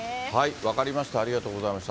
分かりました、ありがとうございました。